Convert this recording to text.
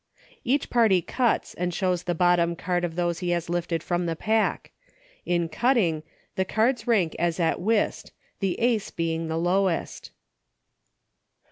Each party cuts, and shows the bottom card of those he has lifted from the pack. In cutting, the cards rank as at Whist, the Ace being the lowest.